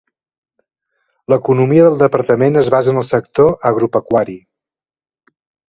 L'economia del departament es basa en el sector agropecuari.